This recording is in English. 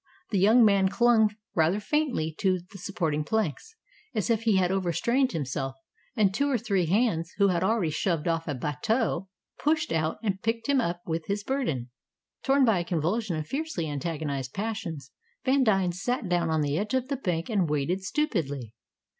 The young man clung rather faintly to the supporting planks, as if he had overstrained himself; and two or three hands, who had already shoved off a "bateau," pushed out and picked him up with his burden. Torn by a convulsion of fiercely antagonized passions, Vandine sat down on the edge of the bank and waited stupidly.